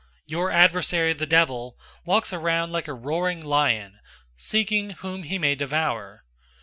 Your adversary the devil, walks around like a roaring lion, seeking whom he may devour.